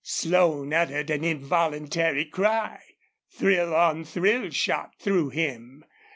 Slone uttered an involuntary cry. Thrill on thrill shot through him.